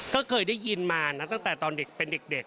ก็เคยได้ยินมานะตั้งแต่ตอนเด็กเป็นเด็ก